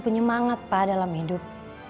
penyemangat pak dalam hidup